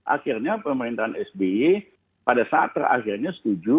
akhirnya pemerintahan sby pada saat terakhirnya setuju